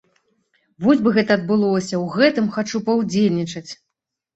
Вось бы гэта адбылося, у гэтым хачу паўдзельнічаць!